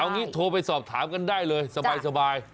งี้โทรไปสอบถามกันได้เลยสบาย